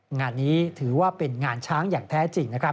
งานนี้ถือว่าเป็นงานช้างอย่างแท้จริงนะครับ